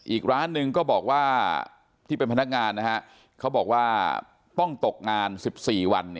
อีกร้านหนึ่งก็บอกว่าที่เป็นพนักงานเขาบอกว่าต้องตกงาน๑๔วัน